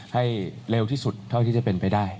ให้เร็วที่สุดเท่าที่จะเป็นไปได้